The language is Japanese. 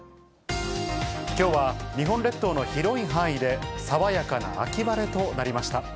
きょうは日本列島の広い範囲で爽やかな秋晴れとなりました。